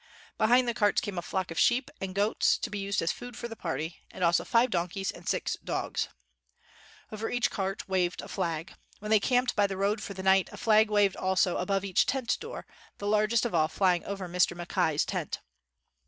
Behind the carts came a flock of sheep and goats, to be used as. food for the party, and also five donkeys and six dogs. Over each cart waved a flag. When they camped by the road for the night, a flag waved also above each tent door, the largest of all flying over Mr. Mackay's tent.